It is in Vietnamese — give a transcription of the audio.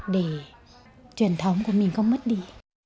để truyền thống của mình không mất đi